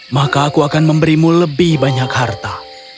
maka aku akan memberimu lebih banyak harta